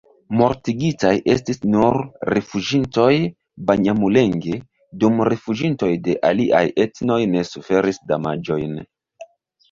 Mortigitaj estis nur rifuĝintoj-banjamulenge, dum rifuĝintoj de aliaj etnoj ne suferis damaĝojn.